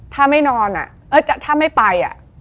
ถ้าไม่นอนอ่ะถ้าไม่ไปอ่ะ